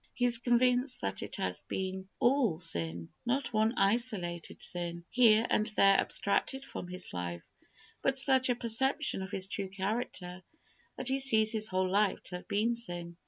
He is convinced that it has been all sin not one isolated sin here and there abstracted from his life, but such a perception of his true character that he sees his whole life to have been sin.